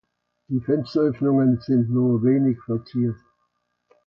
Die Fensteröffnungen sind nur wenig verziert.